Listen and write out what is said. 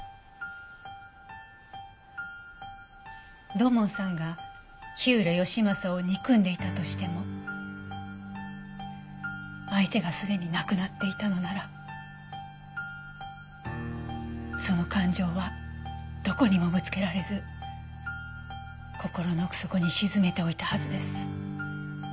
土門さんが火浦義正を憎んでいたとしても相手がすでに亡くなっていたのならその感情はどこにもぶつけられず心の奥底に沈めておいたはずです。